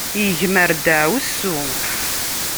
Igmer ddaɛwessu.